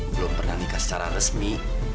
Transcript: belum pernah nikah secara resmi